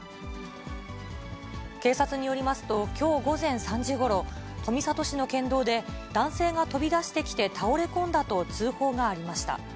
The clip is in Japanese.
警察によりますと、きょう午前３時ごろ、富里市の県道で、男性が飛び出してきて倒れ込んだと通報がありました。